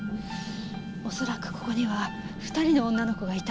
恐らくここには２人の女の子がいたはずよ。